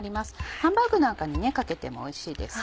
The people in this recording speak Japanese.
ハンバーグなんかにかけてもおいしいですよ。